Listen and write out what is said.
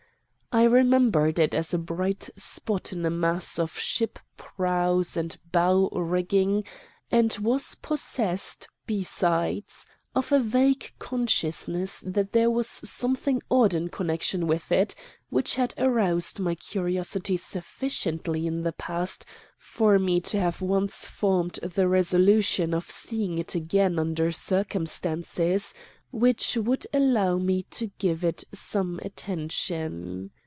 I remembered it as a bright spot in a mass of ship prows and bow rigging, and was possessed, besides, of a vague consciousness that there was something odd in connection with it which had aroused my curiosity sufficiently in the past for me to have once formed the resolution of seeing it again under circumstances which would allow me to give, it some attention.